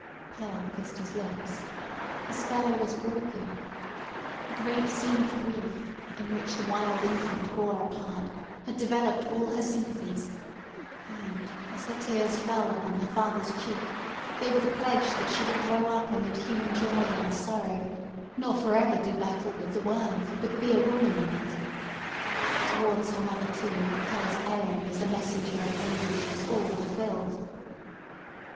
Pearl kissed his lips. A spell was broken. The great scene of grief, in which the wild infant bore a part had developed all her sympathies; and as her tears fell upon her father's cheek, they were the pledge that she would grow up amid human joy and sorrow, nor forever do battle with the world, but be a woman in it. Towards her mother, too, Pearl's errand as a messenger of anguish was fulfilled.